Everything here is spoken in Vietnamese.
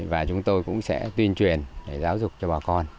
và chúng tôi cũng sẽ tuyên truyền để giáo dục cho bà con